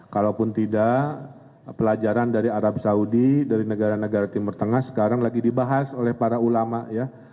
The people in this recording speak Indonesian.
kalaupun tidak pelajaran dari arab saudi dari negara negara timur tengah sekarang lagi dibahas oleh para ulama ya